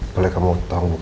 boleh kamu tongguk